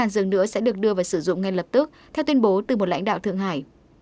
bốn mươi giường nữa sẽ được đưa vào sử dụng ngay lập tức theo tuyên bố từ một lãnh đạo thượng hải